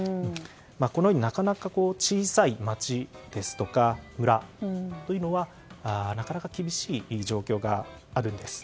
このように小さい町ですとか村というのはなかなか厳しい状況があるんです。